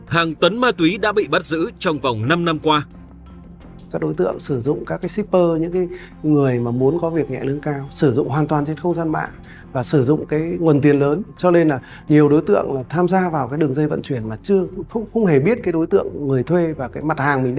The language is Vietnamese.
hàng tấn ma túy đã bị bắt giữ trong vòng năm năm qua